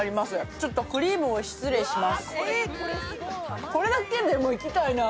ちょっとクリームを失礼します。